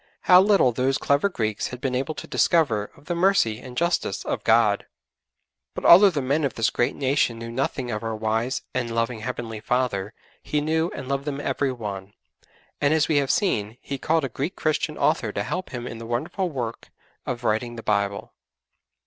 How little those clever Greeks had been able to discover of the mercy and justice of God! But although the men of this great nation knew nothing of our wise and loving Heavenly Father, He knew and loved them every one, and as we have seen, He called a Greek Christian author to help Him in the wonderful work of writing the Bible.